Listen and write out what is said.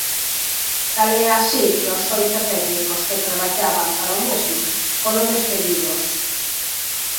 Tal é así que os oito técnicos que traballaban para o mesmo foron despedidos.